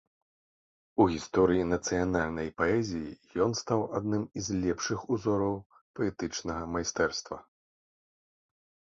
У гісторыі нацыянальнай паэзіі ён стаў адным з лепшых узораў паэтычнага майстэрства.